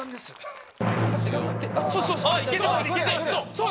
そう！